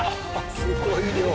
すごい量。